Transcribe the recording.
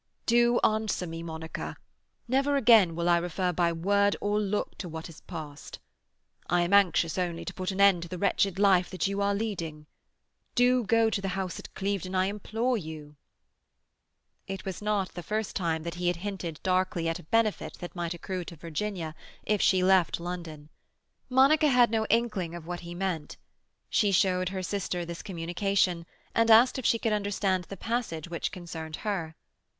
Do answer me, Monica. Never again will I refer by word or look to what has passed. I am anxious only to put an end to the wretched life that you are leading. Do go to the house at Clevedon, I implore you." It was not the first time he had hinted darkly at a benefit that might accrue to Virginia if she left London. Monica had no inkling of what he meant. She showed her sister this communication, and asked if she could understand the passage which concerned her.